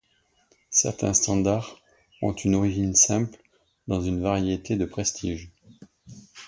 Certains standards ont une origine simple dans une variété de prestige.